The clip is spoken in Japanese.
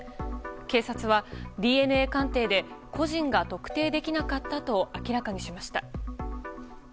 警察はＤＮＡ鑑定で個人が特定できなかったと明らかにしました。